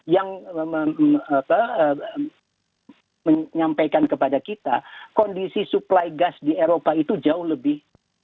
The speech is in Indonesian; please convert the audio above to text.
yang menyampaikan kepada kita kondisi suplai gas di eropa itu jauh lebih